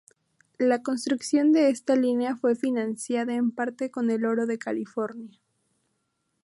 La construcción de esta línea fue financiada en parte con el oro de California.